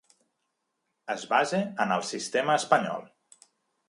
Es basa en el sistema espanyol.